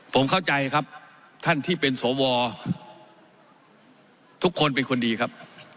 ผมเข้าใจครับท่านที่เป็นสวทุกคนเป็นคนดีครับ